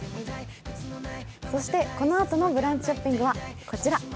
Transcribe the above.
このあとの「ブランチショッピング」はこちら。